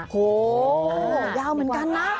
โหยาวเหมือนกันนะ